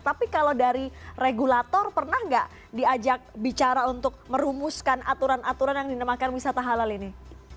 tapi kalau dari regulator pernah nggak diajak bicara untuk merumuskan aturan aturan yang dinamakan wisata halal ini